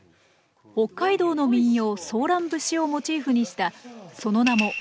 北海道の民謡「ソーラン節」をモチーフにしたその名も３４１２。